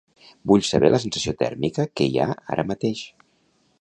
Vull saber la sensació tèrmica que hi ha ara mateix.